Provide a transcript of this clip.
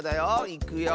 いくよ！